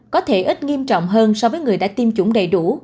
có thể ít nghiêm trọng hơn so với người đã tiêm chủng đầy đủ